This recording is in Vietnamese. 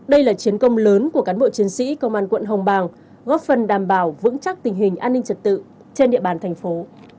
đây là chiến công lớn của cán bộ chiến sĩ công an quận hồng bàng góp phần đảm bảo vững chắc tình hình an ninh trật tự trên địa bàn thành phố